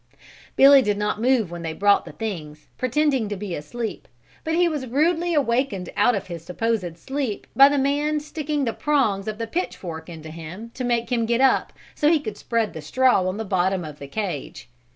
Billy did not move when they brought the things, pretending to be asleep, but he was rudely awakened out of his supposed sleep by the man sticking the prongs of the pitch fork into him to make him get up so he could spread the straw on the bottom of the cage.